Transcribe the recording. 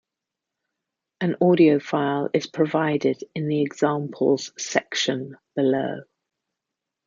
An audio file is provided in the examples section below.